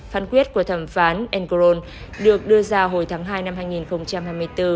phán quyết của thẩm phán angron được đưa ra hồi tháng hai năm hai nghìn hai mươi bốn